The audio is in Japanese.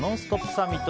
サミット。